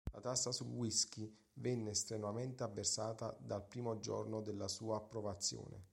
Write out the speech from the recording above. La tassa su whisky venne strenuamente avversata dal primo giorno della sua approvazione.